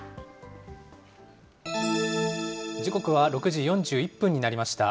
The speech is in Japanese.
時刻は６時４１分になりました。